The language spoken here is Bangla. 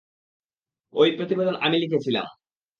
এই প্রতিবেদন আমি লিখেছিলাম।